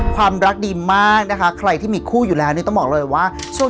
ความรักดีมากนะคะใครที่มีคู่อยู่แล้วนี่ต้องบอกเลยว่าช่วง